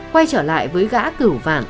quay trở lại với gã cửu vạn